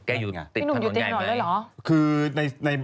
แกอยู่ติดถนนไง